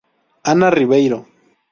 Ana Ribeiro.